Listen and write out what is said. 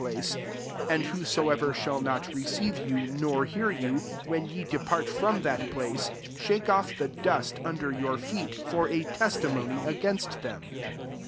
1 1 And whosoever shall not receive youi nor hear you, when ye dto> part from that place, shake «ff the dust under your feet» for a testimony against tbem.'